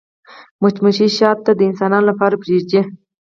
مچمچۍ شات د انسانانو لپاره پرېږدي